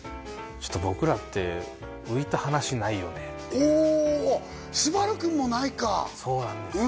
ちょっと僕らって浮いた話ないよねっていうおお昴君もないかそうなんですよ